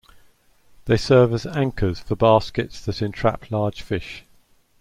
They serve as anchors for baskets that entrap large fish.